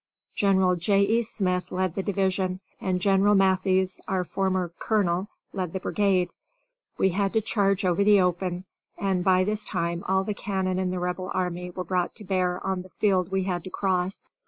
General J. E. Smith led the division, and General Matthies, our former colonel, led the brigade. We had to charge over the open, and by this time all the cannon in the Rebel army were brought to bear on the field we had to cross.